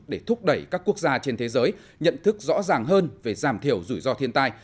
để thúc đẩy các quốc gia trên thế giới nhận thức rõ ràng hơn về giảm thiểu rủi ro thiên tai